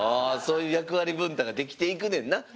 あそういう役割分担ができていくねんな。